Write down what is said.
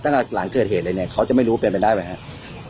หลังเกิดเหตุเลยเนี่ยเขาจะไม่รู้ว่าเป็นไปได้ไหมครับ